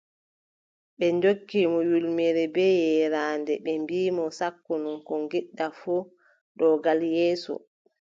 Ɓe ndokki mo ƴulmere, bee yaaraande, ɓe mbii mo: sakkin, ko ngiɗɗa fuu, ɗo gal yeeso.